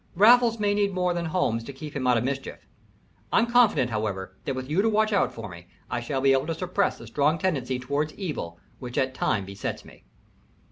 Raffles may need more than Holmes to keep him out of mischief. I am confident, however, that with you to watch out for me, I shall be able to suppress the strong tendency towards evil which at times besets me."